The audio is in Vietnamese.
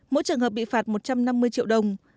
mỗi trường hợp bị phạt một trăm năm mươi triệu đồng